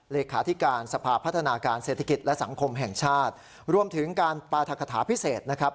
เลขาธิการสภาพัฒนาการเศรษฐกิจและสังคมแห่งชาติรวมถึงการปราธกฐาพิเศษนะครับ